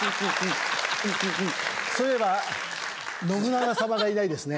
そういえば信長様がいないですね